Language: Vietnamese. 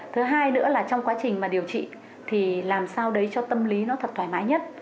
thứ hai nữa là trong quá trình mà điều trị thì làm sao đấy cho tâm lý nó thật thoải mái nhất